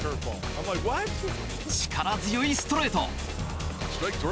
力強いストレート。